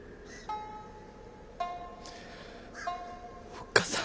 ・おっかさん。